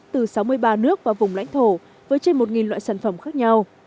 từ sáu mươi ba nước và vùng lãnh thổ với trên một loại sản phẩm khác nhau